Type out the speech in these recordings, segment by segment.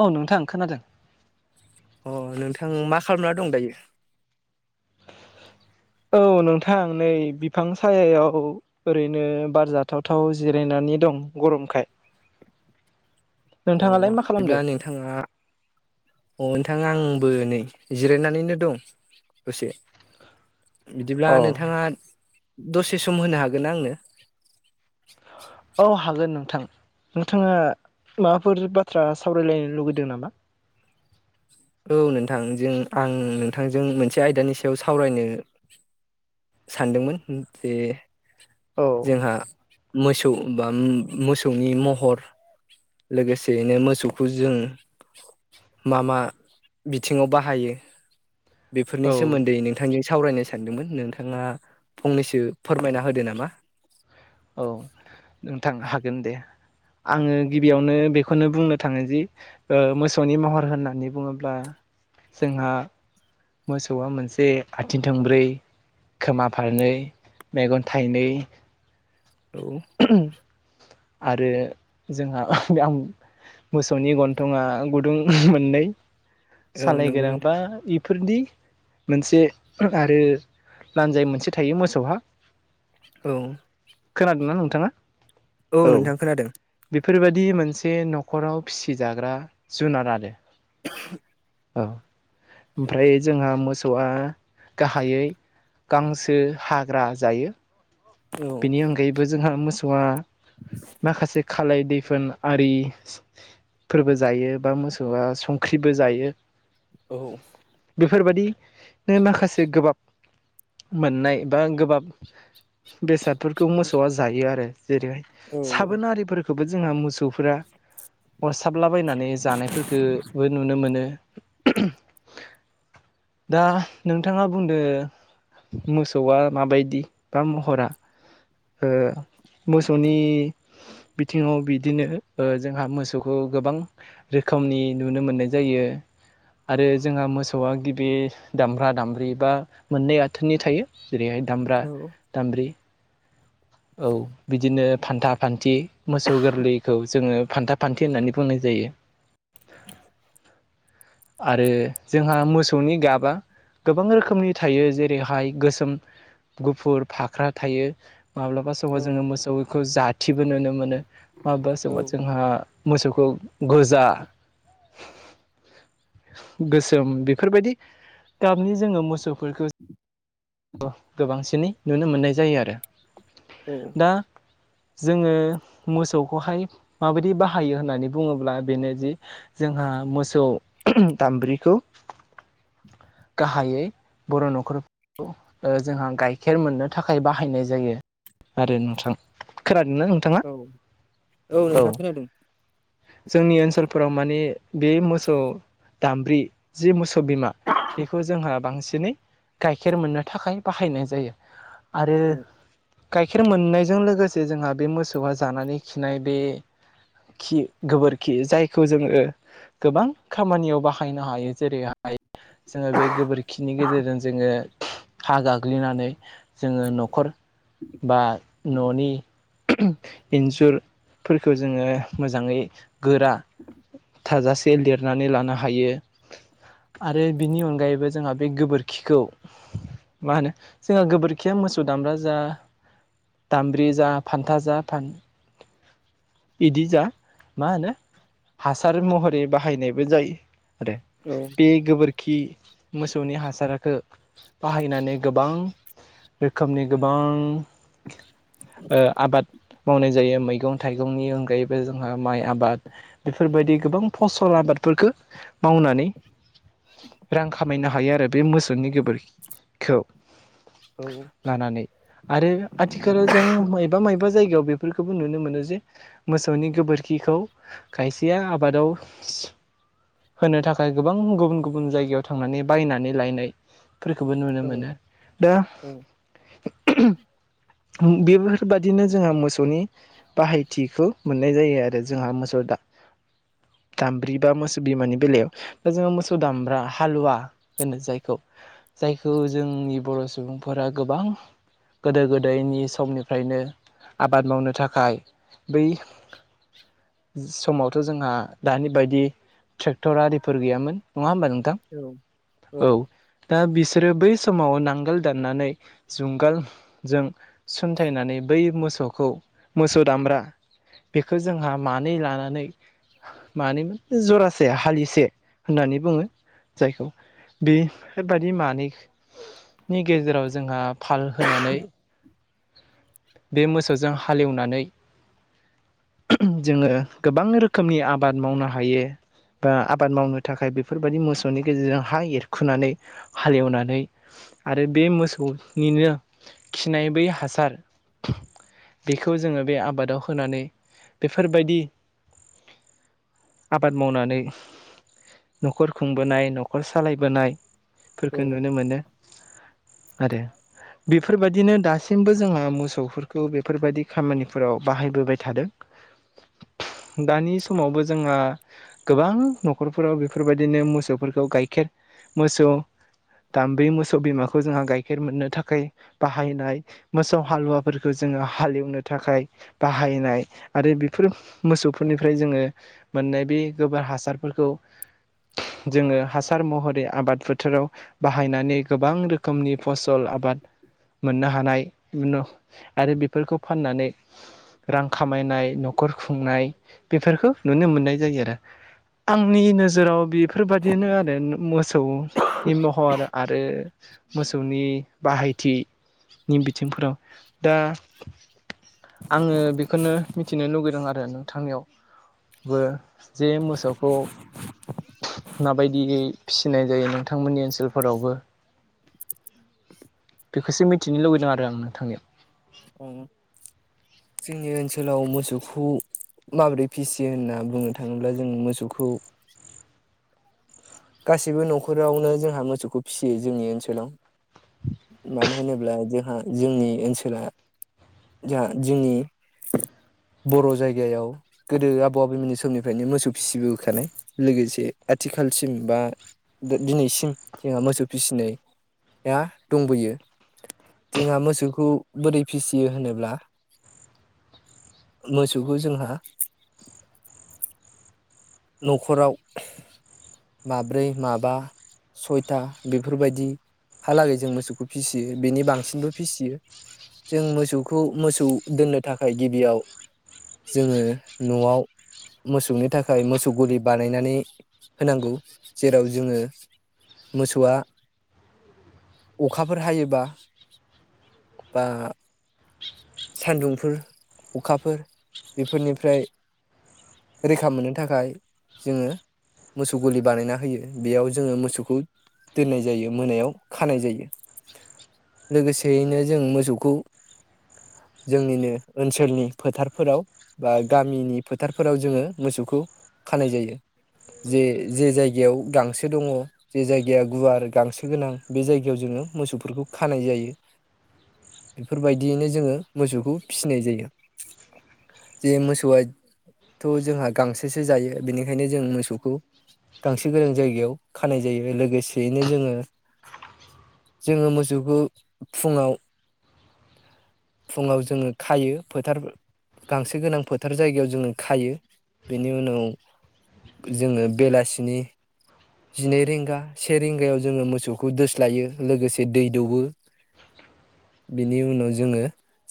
औ नोंथां खोनादों। अ नोंथां मा खालामना दं दायो? औ नोंथां नै बिफां सायाव ओरैनो बार जाथावथाव जिरायनानै दं गरमखाय। अ नोंथाङालाय ह मा खालामदों? बिदिब्ला नोंथाङा अ ओनथां आंबो नै जिरायनानैनो दं दसे बिदिब्ला अ नोंथाङा दसे सम होनो हागोन आंनो औ हागोन नोंथां नोंथाङा माबाफोर बाथ्रा सावरायलायनो लुगैदों नामा औ नोंथांजों आं नोंथांजों मोनसे आयदानि सायाव सावरायनो सानदोंमोन जे औ जोंहा मोसौ बा मोसौनि महर लोगोसेयैनो मोसौखौ जों मा मा बिथिङाव बाहायो औ बेफोरनि सोमोन्दै नों थांजों सावरायनो सानदोंमोन नोंथाङा फंनैसो फोरमायना होदो नामा औ नोंथां हागोन दे आङो गिबियावनो बे खौनो बुंनो थाङो जि मोसौनि महर होननानै बुङोब्ला जोंहा मोसौआ मोनसे आथिं थोंब्रै खोमा फारनै मैगन थाइनै औ आरो जोंहा आं मोसौनि गन्थङा गुदुं मोननै औ सालाय नंगौ नों गोनांबा फोरनि मोनसे आरो लान्जाय मोनसे थायो मोसौहा औ खोनादोंना नोंथाङा? औ नोंथां खोनादों बेफोरबायदि मोनसे न'खराव फिसिजाग्रा जुनार आरो [inaudible] औ ओमफ्राय जोंहा मोसौआ गाहायै गांसो हाग्रा जायो औ बेनि अनगायैबो जोंहा मोसौआ माखासे खालाय दैफोन आरि फोरबो जायो बा मोसौआ संख्रिबो जायो औ बेफोरबादि नो माखासे गोबाब मोननाय बा गोबाब बेसादफोरखौ मोसौआ जायो आरो जेरैहाय औ साबोनारिफोरखौबो जोंहा मोसौ फोरा अरसाबलाबायनानै जानायफोरखो बो नुनो मोनो दा नोंथाङा बुंदो मोसौआ माबायदि बा महरा ओ मोसौनि बिथिङाव बिदिनो जोंहा मोसौखौ गोबां रोखोमनि नुनो मोननाय जायो आरो जोंहा मोसौआ गिबि दामब्रा दामब्रि बा मोननै आथोननि थायो जेरैहाय दामब्रा औ दामब्रि औ बिदिनो फान्था फान्थि मोसौ गोरलैखौ जोङो फान्था फान्थि होननानै बुंनाय जायो आरो जोंहा मोसौनि गाबा गोबां रोखोमनि थायो जेरैहाय गोसोम गुफुर फाख्रा थायो माब्लाबा समाव औ जोङो मोसौखौ जाथिबो नुनो मोनो माब्लाबा औ समाव जोंहा मोसौखौ गोजा गोसोम बेफोरबायदि गाबनि जोङो मोसौफोरखौ गोबांसिनै नुनो मोननाय जायो आरो औ दा जोङो मोसौखौहाय माबायदि बाहायो होननानै बुङोब्ला बेनो जि जोंहा मोसौ दामब्रिखौ गाहाइयै बर' न'खर जोंहा गाइखेर मोननो थाखाय बाहायनाय जायो आरो नोंथां। खोनादों ना नों? औ औ नोंथां खोनादों। जोंनि ओनसोलफोराव माने बे मोसौ दामब्रि जि मोसौ बिमा बेखौ जोंहा बांसिनै गाइखेर मोननो थाखाय बाहायनाय जायो आरो औ गाइखेर मोननायजों लोगोसे जोंहा बे मोसौआ जानानै खिनाय बे खि गोबोरखि जायखौ जोङो गोबां खामानियाव बाहायनो हायो जेरै हाय जोङो बे गोबोरखिनि गेजेरजों जोङो हा गाग्लिनानै जोङो न'खर बा न'नि इन्जुरफोरखौ जोङो मोजाङै गोरा थाजासे लिरनानै लानो हायो आरो बिनि अनगायैबो जोंहा बे गोबोरखिखौ मा होनो जोंहा गोबोरखिया मोसौ दामब्रा जा दामब्रि जा फान्था जा फान इदि जा मा होनो हासार महरै बाहायनायबो जायो। आरोे औ औ बे गोबोरखि मोसौनि हासारखौ बाहायनानै गोबां रोखोमनि गोबां ओ आबाद मावनाय जायो मैगं थाइगंनि अनगायैबो जोंहा माइ आबाद बेफोरबायदि गोबां फसल आबादफोरखो मावनानै रां खामायनो हायो आरो बे मोसौनि गोबोरखौ। औ औ। लानानै आरो आथिखालाव जों माइबा माइबा जायगायाव बेफोरखौबो नुनो मोनो जे मोसौनि गोबोरखिखौ खायसेया आबादाव होनो थाखाय गोबां गुबुन गुबुन जायगायाव थांनानै बायनानै लायनाय फोरफोरखौबो नुनो मोनो। दा [inaudible] बेफोरबादिनो जोंहा मोसौनि बाहायथिखौ मोननाय जायो आरो जोंहा मोसौ दामब्रि बा मोसौ बिमानि बेलायाव। दा जोङो मोसौ दामब्रा हालुवा होनो जायखौ जायखौ जोंनि बर' सुबुंफोरा गोबां गोदो गोदायनि समनिफ्रायनो आबाद मावनो थाखाय। बै समावथ' जोंहा दानि बायदि ट्रेक्टर आरिफोर गैयामोन नङा होमबा नों औ औ। दा बिसोरो बै समाव नांगोल दाननानै जुंगालजों सोन्थायनानै बै मोसौखौ, मोसौ दामब्रा बेखौ जोंहा मानै लानानै मानै माने जरासे हालिसे होननानै बुङो जायखौ बे बायदि मानैनि गेजेराव जोंहा फाल होनानै बे मोसौजों हालेवनानै जोङो गोबां रोखोमनि आबाद मावनो हायो बा आबाद मावनो थाखाय बेफोरबायदि मोसौनि गेजेरजों हा एरखुनानै हालेवनानै आरो बे मोसौनिनो खिनाय बै हासार बेखौ जोङो बे आबादाव होनानै बेफोरबायदि आबाद मावनानै न'खर खुंबोनाय, न'खर सालायबोनाय फोरखौ औ औ नुनो मोनो आरो बेफोरबायदिनो दासिमबो जोंहा मोसौफोरखौ बेफोरबायदि खामानिफोराव बाहायबोबाय थादों। [inaudible] दानि समावबो जोंहा गोबां न'खरफोराव बेफोरबायदिनो मोसौफोरखौ गाइखेर मोसौ। दाम्बै मोसौ बिमाखौ जोंहा गाइखेर मोननो थाखाय बाहायनाय। मोसौ हालुवाफोरखौ जोङो हालेवनो थाखाय। बाहायनाय आरो बेफोर मोसौफोरनिफ्राय जोंङो मोननाय बे गोबोर हासारफोरखौ जोंङो हासार महरै आबादफोर फोथोराव बाहायनानै गोबां रोखोमनि फसल आबाद मोननो हानाय आरो बेफोरखौ फाननानै रां खामायनाय न'खर खुंनाय बेफोरखो नुनो मोननाय जायो आरो। आंनि नोजोराव बेफोरबादिनो आरो मोसौ हर आरो मोसौनि बाहायथिनि बिथिंफोराव। दा आंङो बेखौनो मिथिनो लुगैदों आरो न थांनायाव बो जे मोसौखौ माबायदियै फिसिनाय जायो नोंथांमोननि ओनसोलफोरावबो। बेखौसो मिथिनो लुबैदों आरो आं नोंथांनियाव। जोंनि ओनसोलाव मोसौखौ माबोरै फिसियो होनना बुंनो थाङोब्ला जों मोसौखौ गासैबो न'खरावनो जोंहा मोसौखौ फिसियो जोंनि ओनसोलाव मानो होनोब्ला जोंहा जोंनि ओनसोला ज' जोंनि बर' जायगायाव गोदो आबौ आबौमोननि समनिफ्रायनो मोसौ फिसिबोखानाय लोगोसे आथिखालसिम बा दिनैसिम जोंहा मोसौ फिसिनाय या दंबोयो जोंहा मोसौखौ बोरै फिसियो होनोब्ला मोसौखौ जोंहा न'खराव माब्रै माबा सयथा बेफोर बायदि हालागै जों मोसौखौ फिसियो बेनि बांसिनबो फिसियो। जों मोसौखौ मोसौ दोननो थाखाय गिबियाव जोंङो न'आव मोसौनि थाखाय मोसौ गलि बानायनानै होनांगौ जेराव जोंङो मोसौआ अखाफोर हायोबा बा सानदुंफोर अखाफोर बेफोरनिफ्राय रैखा मोननो थाखाय जोंङो मोसौ गलि बानायना होयो बेयाव जोंङो मोसौखौ दोननाय जायो मोनायाव खानाय जायो लोगोसेयैनो जों मोसौखौ जोंनिनो ओनसोलनि फोथारफोराव बा गामिनि फोथारफोराव जोङो मोसौखौ खानाय जायो। जे जे जायगायाव गांसो दङ जे जायगाया गुवार गांसो गोनां बे जायगायाव जोङो मोसौफोरखौ खानाय जायो। बेफोरबायदियैनो जोंङो मोसौखौ फिसिनाय जायो। जे मोसौआथ' जोंहा गांसोसो जायो बेनिखायनो जों मोसौखौ गांसो गोनां जायगायाव खानाय जायो। लोगोसेयैनो जोंङो जोंङो मोसौखौ फुङाव फुङाव जोंङो खायो फोथार गांसो गोनां फोथार जायगायाव जोंङो खायो बेनि उनाव जोंङो बेलासिनि जिनै रिंगा से रिंगायाव जोङो मोसौखौ दोस्लायो लोगोसे दै दौवो। बिनि उनाव जोङो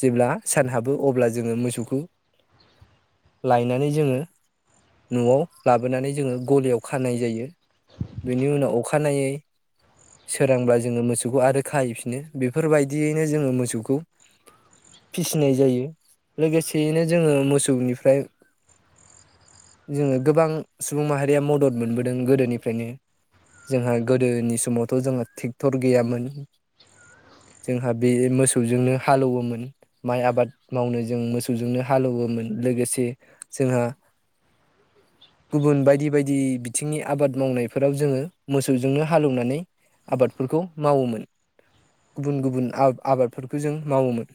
जेब्ला सान हाबो अब्ला जोङो मोसौखौ लायनानै जोङो न'आव लाबोनानै जोङो गलियाव खानाय जायो। बिनि उनाव अखानायै सोरांबा जोङो मोसौखौ आरो खाहैफिनो बेफोरबायदियैनो जोङो मोसौखौ फिसिनाय जायो लोगोसेयैनो जोङो मोसौनिफ्राय जोङो गोबां सुबुं माहारिया मदद मोनबोदों गोदोनिफ्रायनो। जोंहा गोदोनि समावथ' जोंहा ट्रेक्टर गैयामोन। जोंहा बे मोसौ मोसौजोंनो हालौवोमोन माइ आबाद मावनो जों मोसौजोंनो हालौवोमोन लोगोसे जोंहा गुबुन बायदि बायदि बिथिंनि आबाद मावनायफोराव जोङो मोसौजोंनो हालौवनानै आबादफोरखौ मावोमोन। गुबुन गुबुन आब-आबाद बेफोरखौ जों मावोमोन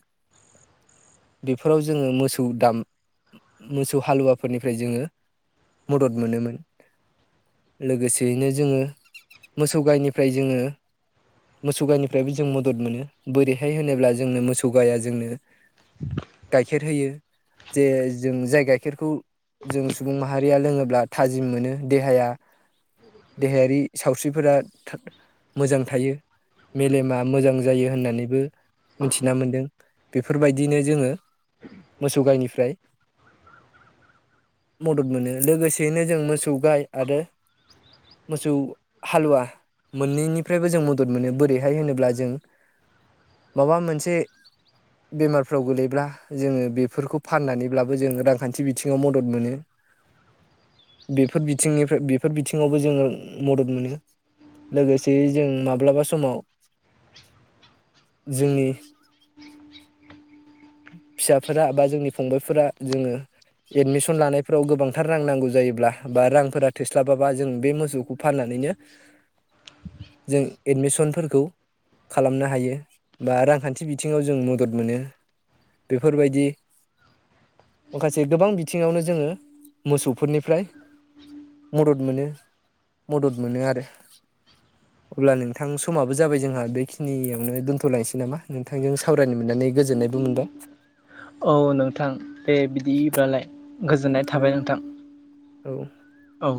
बेफोराव जोङो मोसौ दाम मोसौ हालुवाफोरनिफ्राय जोङो मदद मोनोमोन। लोगोसेयैनो जोङो मोसौ गायनिफ्राय जोङो मोसौ गायनिफ्रायबो जों मदद मोनो बोरैहाय होनोब्ला जोंनो मोसौ गाया जोंनो गाइखेर होयो जे जों जाय गाइखेरखौ जों सुबुं माहारिया लोङोब्ला थाजिम मोनो देहाया देहायारि सावस्रिफोरा था मोजां थायो मेलेमा मोजां जायो होननानैबो मिथिना मोनदों बेफोरबायदिनो जोङो मोसौ गायनिफ्राय मदद मोनो। लोगोसेयैनो जों मोसौ गाय आरो मोसौ हालुवा मोननैनिफ्रायबो जों मदद मोनो बोरैहाय होनोब्ला जों माबा मोनसे बेमारफ्राव गोलैब्ला जोङो बेफोरखौ फाननानैब्लाबो जों रांखान्थि बिथिङाव मदद मोनो बेफोर बिथिंनिफ्राय बिब बेफोर बिथिङावबो जोङो मदद मोनो लोगोसेय जों माब्लाबा समाव जोंनि [inaudible] फिसाफोरा बा जोंनि फंबायफोरा जोङो एडमिसन लानाय फाव गोबांथार रां नांगौ जायोब्ला बा रांफोरा थोस्लाबाबा जों बे मोसौखौ फाननानैनो जों एडमिसनफोरखौ खालामनो हायो बा रांखान्थि बिथिङाव जों मदद मोनो। बेफोरबायदि माखासे गोबां बि थिङावनो जोङो मोसौफोरनिफ्राय मदद मोनो मदद मोनो आरो। अब्ला नोंथां समाबो जाबाय जोंहा बेखिनियावनो दोन्थ'लायनोसै नामा नोंथांजों सावरायनो मोननानै गोजोन औ नोंथां दे बिदिब्लालाय। गोजोननाय थाबाय औ नोंथां। औ। औ।